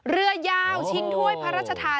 เรือยาวชิงถ้วยพระราชทาน